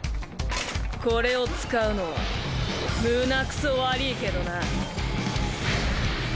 これを使うのは胸くそ悪ぃけどな。